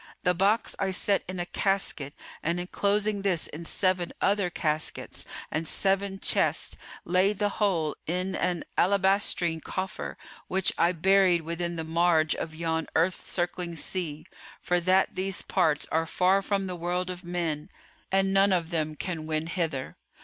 The box I set in a casket, and enclosing this in seven other caskets and seven chests, laid the whole in a alabastrine coffer,[FN#424] which I buried within the marge of yon earth circling sea; for that these parts are far from the world of men and none of them can win hither.